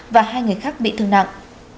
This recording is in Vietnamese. và hai người khác bị thương nặng